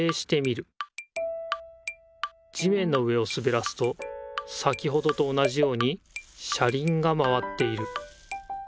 地めんの上をすべらすと先ほどと同じように車りんが回っている。